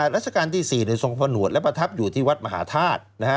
ราชการที่๔ทรงผนวดและประทับอยู่ที่วัดมหาธาตุ